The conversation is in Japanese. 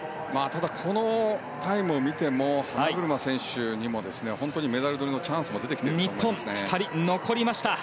ただ、このタイムを見ても花車選手にも本当にメダルのチャンスも出てきていると思いますね。